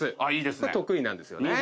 得意なんですよね。